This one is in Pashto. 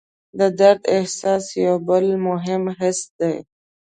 د درد احساس یو بل مهم حس دی.